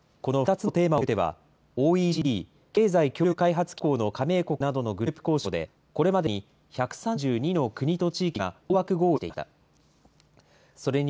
この２つのテーマを巡っては、ＯＥＣＤ・経済協力開発機構の加盟国などのグループ交渉で、これまでに１３２の国と地域が大枠合意していました。